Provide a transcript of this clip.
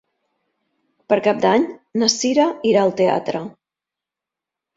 Per Cap d'Any na Cira irà al teatre.